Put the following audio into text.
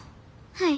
はい。